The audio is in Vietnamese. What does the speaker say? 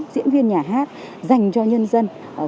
diễn viên nhà hát dành cho nhân dân